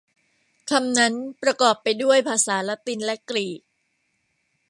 คำนั้นประกอบไปด้วยภาษาละตินและกรีก